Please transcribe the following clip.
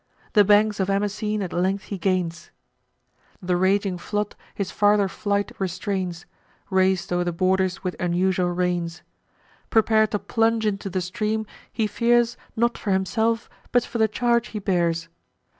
The banks of Amasene at length he gains: The raging flood his farther flight restrains, Rais'd o'er the borders with unusual rains. Prepar'd to plunge into the stream, he fears, Not for himself, but for the charge he bears.